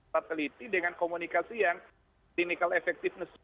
sateliti dengan komunikasi yang clinical effectiveness